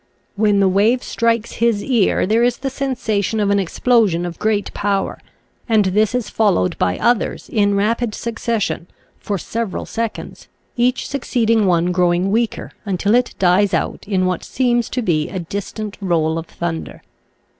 When the wave strikes his ear there is the sensation of an explosion of great power, and this is fol lowed by others in rapid succession, for several seconds, each succeeding one growing weaker until it dies out in what seems to be a distant roll of thunder.